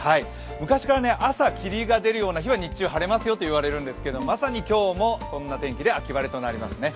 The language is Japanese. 昔から、朝霧が出るような日は日中晴れると言われますがまさに今日もそんな天気で秋晴れになりますね。